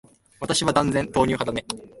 私は断然、豆乳派だね。